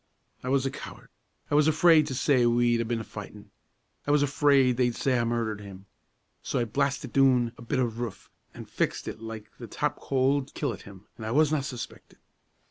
"I was a coward. I was afraid to say we'd been a fightin'; I was afraid they'd say I murdered him. So I blastit doon a bit o' roof, an' fixed it like the top coal'd killit him; an' I wasna suspeckit.